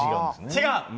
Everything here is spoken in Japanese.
違う？